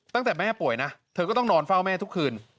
ตั้งแต่แม่ป่วยนะเธอก็ต้องนอนเฝ้าแม่ทุกคืน